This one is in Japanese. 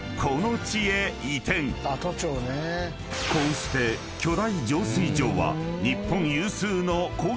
［こうして巨大浄水場は日本有数の］え！